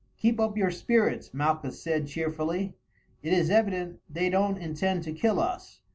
"Keep up your spirits," Malchus said cheerfully, "it is evident they don't intend to kill us.